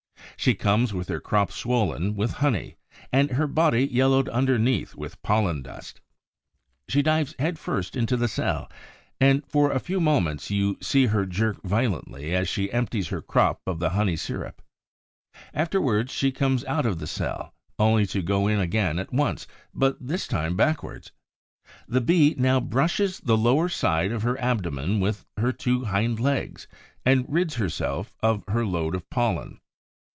She comes with her crop swollen with honey and her body yellowed underneath with pollen dust. She dives headfirst into the cell; and for a few moments you see her jerk violently as she empties her crop of the honey sirup. Afterwards, she comes out of the cell, only to go in again at once, but this time backwards. The Bee now brushes the lower side of her abdomen with her two hind legs and rids herself of her load of pollen.